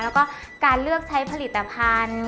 แล้วก็การเลือกใช้ผลิตภัณฑ์